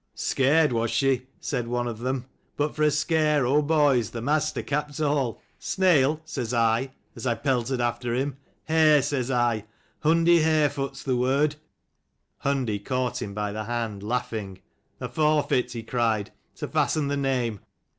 " Scared was she," said one of them: "but for a scare, oh boys, the master capped all. Snail? says I, as I peltered after him. Hare! says I, Hundi Harefoot's the word!" Hundi caught him by the hand, laughing. "A forfeit," he cried, "to fasten the name!